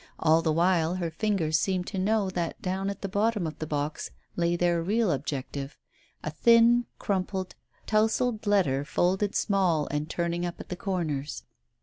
All the while, her fingers seemed to know that down at the bottom of the box lay their real objective, a thin, crumpled, tousled letter folded small and turning up at the corners.